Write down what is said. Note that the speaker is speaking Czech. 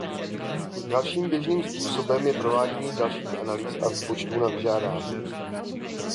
Dalším běžným způsobem je provádění dalších analýz a výpočtů na vyžádání.